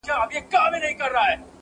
هر څوک يې په خپل نظر ګوري-